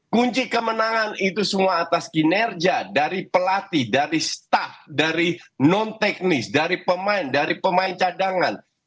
kunci kemenangan itu semua atas kinerja dari pelatih dari staff dari non teknis dari pemain dari pemain cadangan